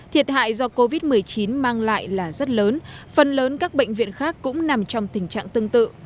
thiệt hại do covid một mươi chín mang lại là rất lớn phần lớn các bệnh viện khác cũng nằm trong tình trạng tương tự